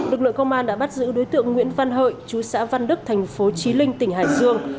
lực lượng công an đã bắt giữ đối tượng nguyễn văn hợi chú xã văn đức thành phố trí linh tỉnh hải dương